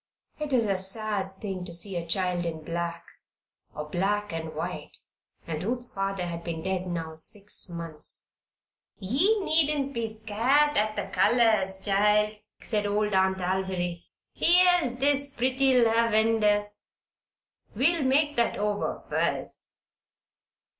It is a sad thing to see a child in black, or black and white, and Ruth's father had been dead now six months. "Ye needn't be scart at the colors, child," said old Aunt Alviry. "Here's this pretty lavender. We'll make that over first.